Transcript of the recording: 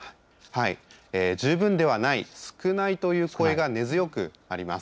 十分ではない、少ないという声が根強くあります。